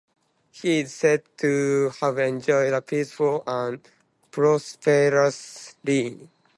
He is said to have enjoyed a peaceful and prosperous reign.